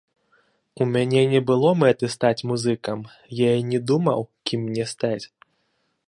У мяне не было мэты стаць музыкам, я і не думаў, кім мне стаць.